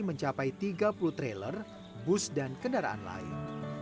mencapai tiga puluh trailer bus dan kendaraan lain